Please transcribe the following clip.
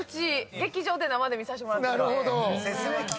劇場で生で見させてもらってるんで。